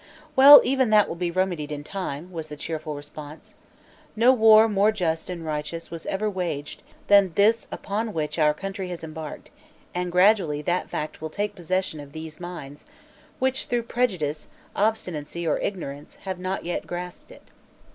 "Well, even that will be remedied in time," was the cheerful response. "No war more just and righteous was ever waged than this upon which our country has embarked, and gradually that fact will take possession of those minds, which, through prejudice, obstinacy or ignorance, have not yet grasped it.